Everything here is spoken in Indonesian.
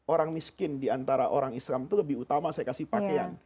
orang miskin diantara orang islam itu lebih utama saya kasih pakaian